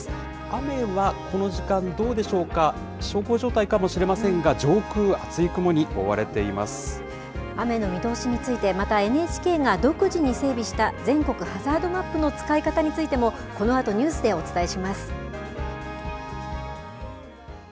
雨はこの時間、どうでしょうか、小康状態かもしれませんが、上空、雨の見通しについて、またＮＨＫが独自に整備した全国ハザードマップの使い方についても、このあと、ニュースでお伝えします。